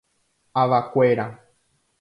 Avakuéra.